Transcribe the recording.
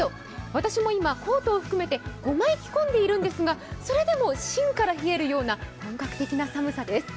私も今、コートを含めて５枚、着込んでいるんですがそれでも芯から冷えるような本格的な寒さです。